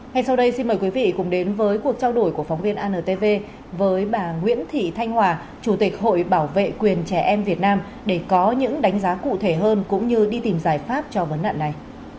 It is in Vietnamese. ngay sau đây xin mời quý vị cùng đến với cuộc trao đổi của phóng viên antv với bà nguyễn thị thanh hòa chủ tịch hội bảo vệ quyền trẻ em việt nam để có những đánh giá cụ thể hơn cũng như đi tìm giải pháp cho vấn nạn này